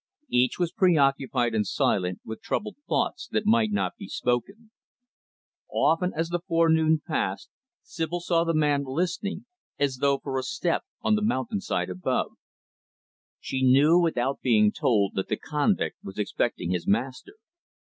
Each was preoccupied and silent, with troubled thoughts that might not be spoken. Often, as the forenoon passed, Sibyl saw the man listening, as though for a step on the mountainside above. She knew, without being told, that the convict was expecting his master.